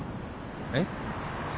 えっ？